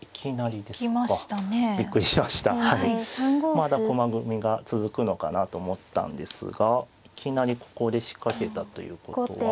まだ駒組みが続くのかなと思ったんですがいきなりここで仕掛けたということは。